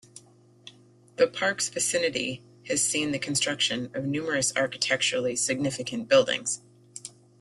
The park's vicinity has seen the construction of numerous architecturally significant buildings.